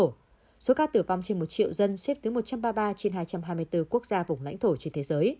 số ca tử vong trên một triệu dân xếp thứ một trăm ba mươi ba trên hai trăm hai mươi bốn quốc gia vùng lãnh thổ trên thế giới